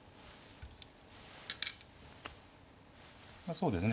そうですね